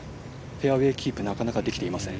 フェアウエーキープなかなかできていません。